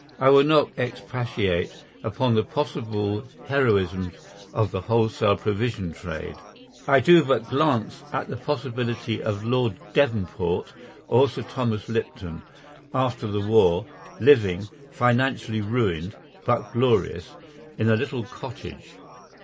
I will not expatiate upon the possible heroisms of the wholesale provision trade. I do but glance at the possibility of Lord Devonport or Sir Thomas Lipton, after the war, living, financially ruined, but glorious, in a little cottage.